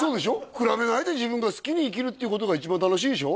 比べないで自分が好きに生きるっていうことが一番楽しいでしょ？